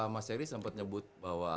mas heri sempat nyebut bahwa